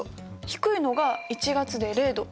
低いのが１月で０度。